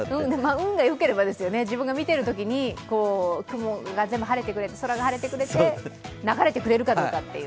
自分が見てるときに雲が全部晴れてくれて空が晴れてくれて、流れてくれるかどうかという。